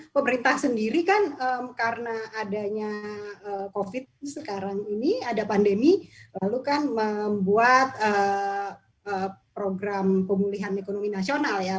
pemerintah sendiri kan karena adanya covid sekarang ini ada pandemi lalu kan membuat program pemulihan ekonomi nasional ya